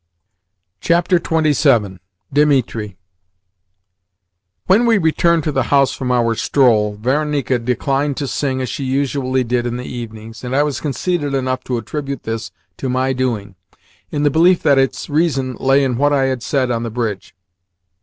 XXVII. DIMITRI WHEN we returned to the house from our stroll, Varenika declined to sing as she usually did in the evenings, and I was conceited enough to attribute this to my doing, in the belief that its reason lay in what I had said on the bridge.